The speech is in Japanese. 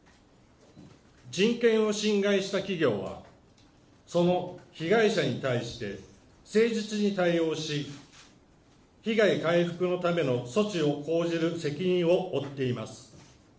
人権を侵害した企業は、その被害者に対して誠実に対応し、被害回復のための措置を講じる責任を負っています。